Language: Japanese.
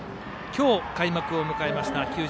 今日、開幕を迎えました